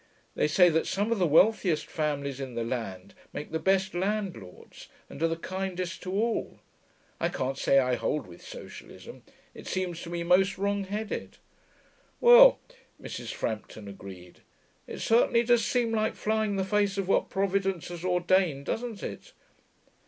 They say that some of the wealthiest families in the land make the best landlords and are the kindest to all. I can't say I hold with socialism. It seems to me most wrong headed.' 'Well,' Mrs. Frampton agreed, 'it certainly does seem like flying in the face of what Providence has ordained, doesn't it?